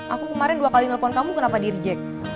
aku kemarin dua kali nelfon kamu kenapa dirijek